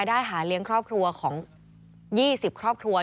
แต่ช่วงหลังระดับน้ำที่ทั่วมันก็เริ่มลดลงบ้างแล้วนะ